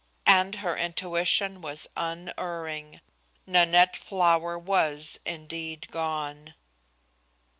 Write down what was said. And her intuition was unerring. Nanette Flower was indeed gone.